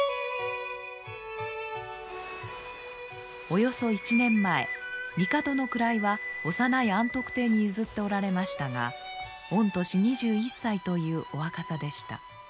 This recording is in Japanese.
およそ１年前帝の位は幼い安徳帝に譲っておられましたが御年２１歳というお若さでした。